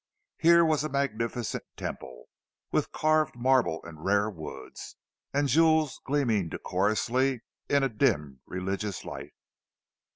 Here was a magnificent temple, with carved marble and rare woods, and jewels gleaming decorously in a dim religious light.